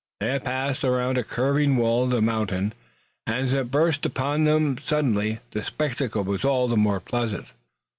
They had passed around a curving wall of the mountain and, as it burst upon them suddenly, the spectacle was all the more pleasant.